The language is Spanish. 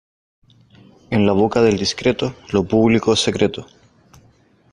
En la boca del discreto lo público es secreto.